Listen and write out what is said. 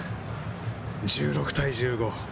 １６対１５。